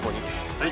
はい。